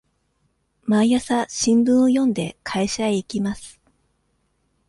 毎朝新聞を読んで、会社へ行きます。